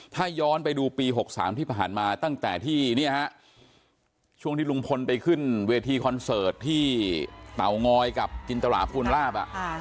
ถ้าย้อนไปดูปี๖๓ที่ผ่านมาตั้งแต่ที่ช่วงที่ลุงพลไปขึ้นเวทีคอนเสิร์ตที่เตางอยกับจินตราภูลาภ